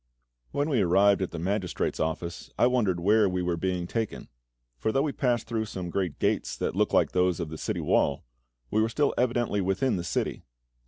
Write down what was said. When we arrived at the magistrate's office, I wondered where we were being taken; for though we passed through some great gates that looked like those of the city wall, we were still evidently within the city.